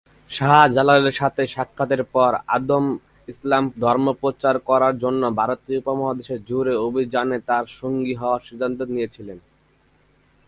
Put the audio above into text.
শাহ জালালের সাথে সাক্ষাতের পর আদম ইসলাম ধর্ম প্রচার করার জন্য ভারত উপমহাদেশ জুড়ে অভিযানে তার সঙ্গী হওয়ার সিদ্ধান্ত নিয়েছিলেন।